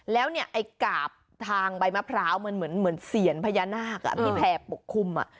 แล้วเนี่ยไอ้กราบทางใบมะพร้าวมันเหมือนเหมือนเสียนพญานาคอ่ะมีแผ่ปกคุมอ่ะ